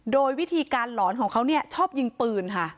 โดยวิธีการหลอนของเขาชอบยิงปืนค่ะ